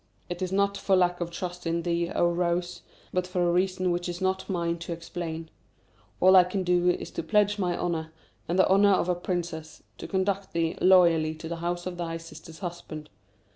"It is not for lack of trust in thee, O Rose, but for a reason which is not mine to explain. All I can do is to pledge my honour, and the honour of a princess, to conduct thee loyally to the house of thy sister's husband.